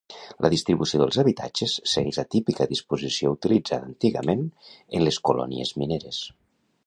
La distribució dels habitatges segueix la típica disposició utilitzada antigament en les colònies mineres.